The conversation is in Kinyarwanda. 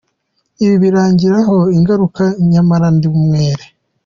Ibi birangiraho ingaruka nyamara ndi umwere.